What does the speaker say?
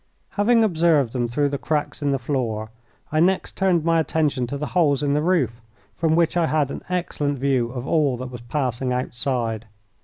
Having observed them through the cracks in the floor, I next turned my attention to the holes in the roof, from which I had an excellent view of all that was passing outside.